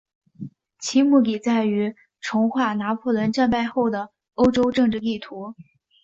其目的在于重画拿破仑战败后的欧洲政治地图。